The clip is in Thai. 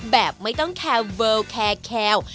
แบบไม่ต้องแควลแคว